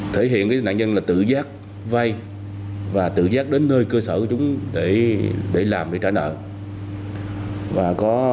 thể hiện nạn nhân tự giác vay và tự giác đến nơi cơ sở